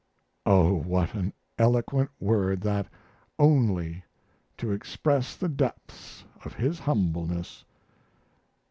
Oh, what an eloquent word that "only," to express the depths of his humbleness!